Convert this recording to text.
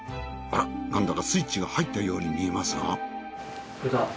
あらなんだかスイッチが入ったように見えますが。